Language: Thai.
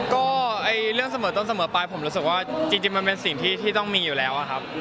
ก็เรื่องเสมอต้นเสมอไปผมรู้สึกว่าจริงมันเป็นสิ่งที่ต้องมีอยู่แล้วครับ